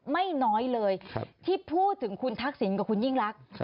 ไม่น้อยเลยที่พูดถึงคุณทักษิณกับคุณยิ่งรัก